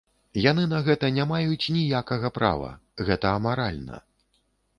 Яны на гэта не маюць ніякага права, гэта амаральна.